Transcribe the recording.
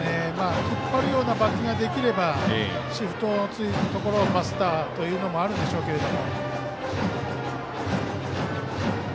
引っ張るようなバッティングができればシフトをついてバスターということもあるでしょうけど。